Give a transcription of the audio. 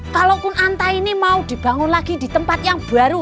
kalaupun anta ini mau dibangun lagi di tempat yang baru